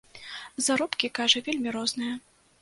Заробкі, кажа, вельмі розныя.